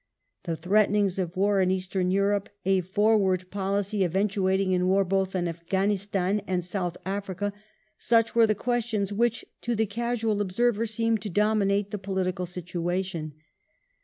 The threatenings tive of war in Eastern Europe, a forward policy eventuating in war ment'^" both in Afghanistan and in South Africa — such were the questions which, to the casual observer, seemed to dominate the political situation.